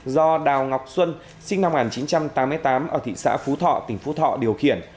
do đào ngọc xuân sinh năm một nghìn chín trăm tám mươi tám ở thị xã phú thọ tỉnh phú thọ điều khiển